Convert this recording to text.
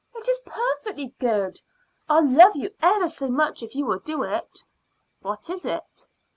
"It is perfectly good. I'll love you ever so much if you will do it." "What is it?"